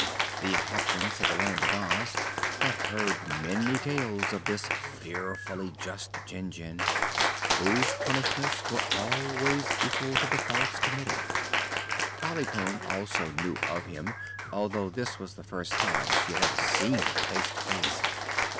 The inhabitants of the Land of Oz had heard many tales of this fearfully just Jinjin, whose punishments were always equal to the faults committed. Polychrome also knew of him, although this was the first time she had ever seen him face to face.